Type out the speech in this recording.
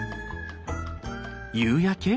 夕焼け？